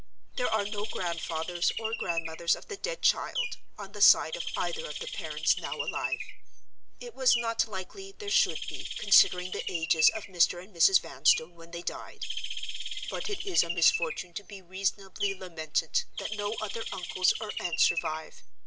"There are no grandfathers or grandmothers of the dead child (on the side of either of the parents) now alive. It was not likely there should be, considering the ages of Mr. and Mrs. Vanstone when they died. But it is a misfortune to be reasonably lamented that no other uncles or aunts survive.